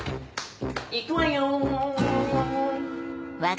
行くわよ！